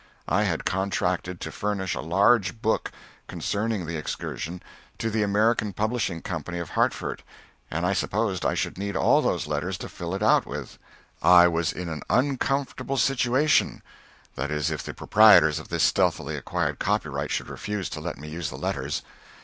I had contracted to furnish a large book, concerning the excursion, to the American Publishing Co. of Hartford, and I supposed I should need all those letters to fill it out with. I was in an uncomfortable situation that is, if the proprietors of this stealthily acquired copyright should refuse to let me use the letters.